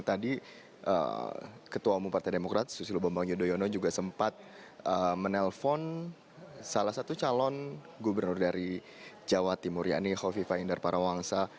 tadi ketua umum partai demokrat susilo bambang yudhoyono juga sempat menelpon salah satu calon gubernur dari jawa timur yakni khofifa indar parawangsa